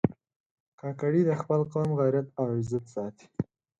کاکړي د خپل قوم غیرت او عزت ساتي.